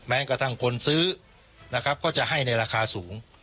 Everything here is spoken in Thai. กระทั่งคนซื้อนะครับก็จะให้ในราคาสูง